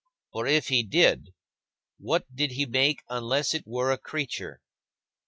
For if he did, what did he make unless it were a creature?"